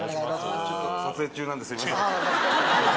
ちょっと撮影中なんで、すみません。